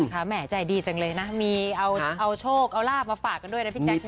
แหม่ใจดีจังเลยนะมีเอาโชคเอาลาบมาฝากกันด้วยนะพี่แจ๊ค